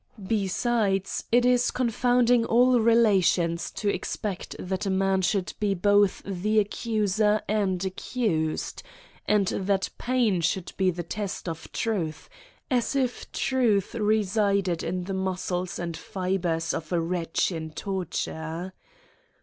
Besides, it is con founding all relations to expect that a man should be both the accuser and accused ; and that pain should be the test of truth, as if truth resided in the muscles and fibres of a wretch in torture.